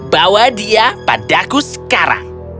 bawa dia padaku sekarang